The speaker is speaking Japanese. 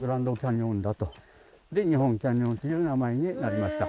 「日本キャニオン」という名前になりました。